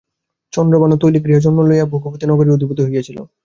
চন্দ্রভানু তৈলিকগৃহে জন্ম লইয়া ভোগবতী নগরীর অধিপতি হইয়াছিল।